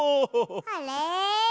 あれ？